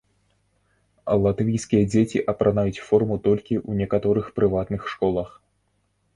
Латвійскія дзеці апранаюць форму толькі ў некаторых прыватных школах.